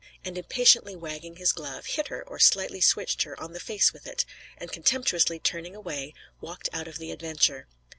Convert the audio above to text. And impatiently wagging his glove, hit her, or slightly switched her, on the face with it, and contemptuously turning away, walked out of the adventure.